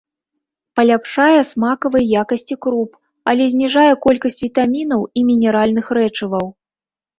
Паляпшае смакавыя якасці круп, але зніжае колькасць вітамінаў і мінеральных рэчываў.